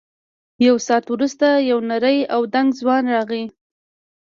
یو ساعت وروسته یو نری او دنګ ځوان راغی.